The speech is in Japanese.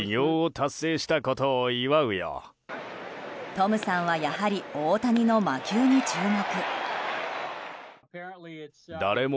トムさんはやはり大谷の魔球に注目。